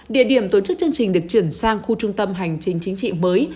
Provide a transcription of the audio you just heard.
địa điểm tổ chức chương trình được chuyển sang khu trung tâm hành chính chính trị mới